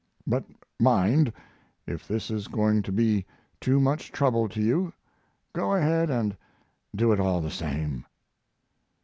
But mind, if this is going to be too much trouble to you go ahead and do it all the same.